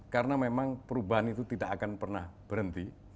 karena memang perubahan itu tidak akan pernah berhenti